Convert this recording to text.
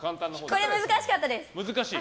これ、難しかったです。